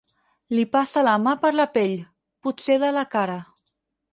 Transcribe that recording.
Li passa la mà per la pell, potser de la cara.